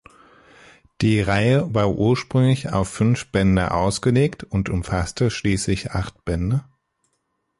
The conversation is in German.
Die Reihe war ursprünglich auf fünf Bände ausgelegt und umfasste schließlich acht Bände.